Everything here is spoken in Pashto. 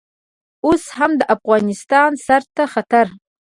اوس هم د افغانستان سر ته خطر.